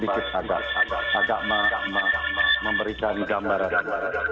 saya agak memberikan gambar gambar